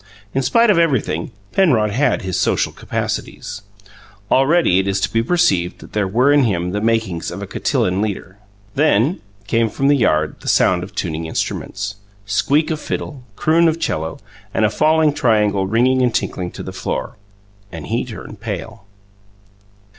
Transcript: In spite of everything, Penrod had his social capacities. Already it is to be perceived that there were in him the makings of a cotillon leader. Then came from the yard a sound of tuning instruments, squeak of fiddle, croon of 'cello, a falling triangle ringing and tinkling to the floor; and he turned pale.